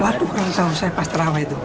waktu kan tahu saya pas terawih itu